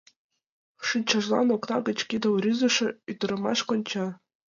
Шинчажлан окна гыч кидым рӱзышӧ ӱдырамаш конча.